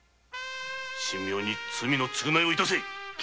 神妙に罪の償いを致せ！